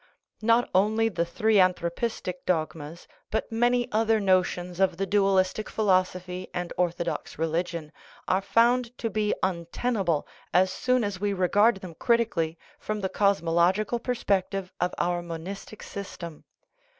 Not only the three anthropistic dogmas, but many other notions of the dualistic philosophy and orthodox religion, are found to be untenable as soon as we regard them critically from the cosmological perspective of our monistic system.